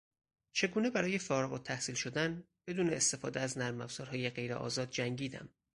چگونه برای فارغالتحصیل شدن بدون استفاده از نرمافزارهای غیرآزاد جنگیدم